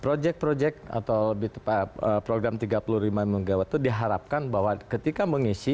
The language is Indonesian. project project atau lebih tepat program tiga puluh lima ribu mgw itu diharapkan bahwa ketika mengisi